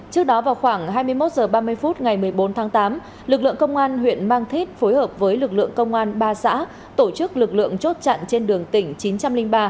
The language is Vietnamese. trước đó vào khoảng hai mươi một h ba mươi phút ngày một mươi bốn tháng tám lực lượng công an huyện mang thít phối hợp với lực lượng công an ba xã tổ chức lực lượng chốt chặn trên đường tỉnh chín trăm linh ba